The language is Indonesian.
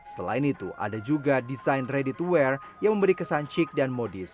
selain itu ada juga desain ready to wear yang memberi kesan cik dan modis